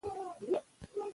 د کور کارونه هم ترسره کوم.